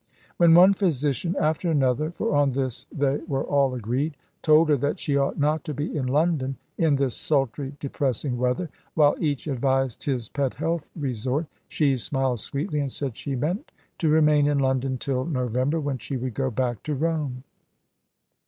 When one physician after another for on this they were all agreed told her that she ought not to be in London in this sultry, depressing weather, while each advised his pet health resort, she smiled sweetly, and said she meant to remain in London till November, when she would go back to Rome.